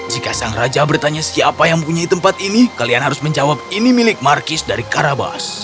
jika sang raja bertanya siapa yang mempunyai tempat ini kalian harus menjawab ini milik markis dari karabas